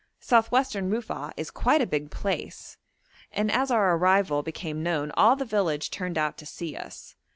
South western Rufa'a is quite a big place, and as our arrival became known all the village turned out to see us.